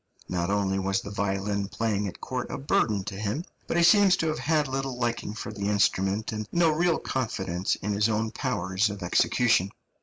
Not only was the violin playing at court a burden to him, but he seems to have had little liking for the instrument, and no real confidence in his own powers of execution.